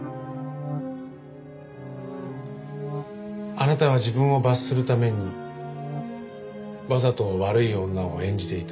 あなたは自分を罰するためにわざと悪い女を演じていた。